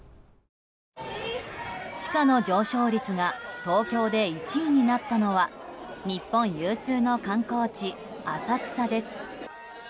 地価の上昇率が東京で１位になったのは日本有数の観光地・浅草です。